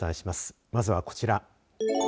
まずは、こちら。